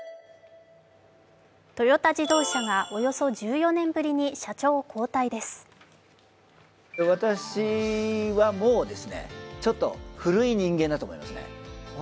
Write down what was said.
トヨタ自動車がおよそ１４年ぶりに社長を交代です。